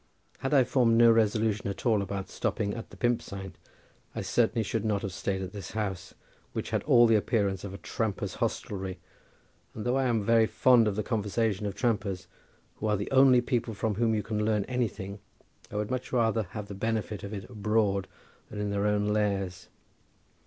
Had I formed no resolution at all about stopping at the "Pump Saint" I certainly should not have stayed in this house, which had all the appearance of a tramper's hostelry, and though I am very fond of the conversation of trampers, who are the only people from whom you can learn anything, I would much rather have the benefit of it abroad than in their own lairs.